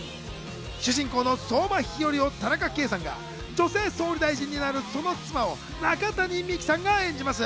主人公の相馬日和を田中圭さんが、女性総理大臣になるその妻を中谷美紀さんが演じます。